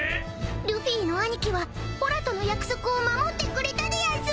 ルフィの兄貴はおらとの約束を守ってくれたでやんす！